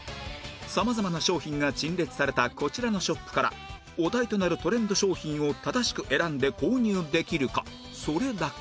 さまざまな商品が陳列されたこちらのショップからお題となるトレンド商品を正しく選んで購入できるかそれだけ